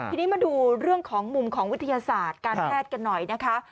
ทีนี้มาดูเรื่องของมุมของวิทยาศาสตร์การแพทย์กันหน่อยนะคะ